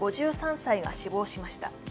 ５３歳が死亡しました。